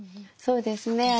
そうですね。